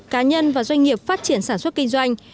cá nhân và doanh nghiệp phát triển sản xuất kinh doanh